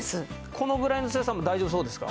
このぐらいの強さでも大丈夫そうですか？